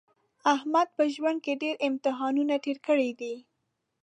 احمد په ژوند کې ډېر امتحانونه تېر کړي دي.